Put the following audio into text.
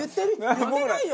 言ってないよ！